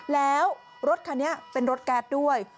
แล้วรถคันนี้เป็นรถแก๊สด้วย